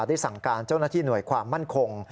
ได้สั่งการเจ้าหน้าที่หน่วยความมั่นคง